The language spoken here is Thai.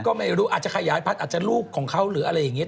ก็ไม่รู้อาจจะขยายพันธุ์อาจจะลูกของเขาหรืออะไรอย่างนี้